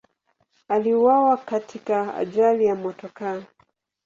Aliuawa katika ajali ya motokaa.